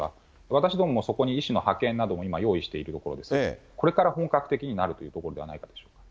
私どももそこに医師の派遣なども用意しているところでして、これから本格的になるというところではないでしょうか。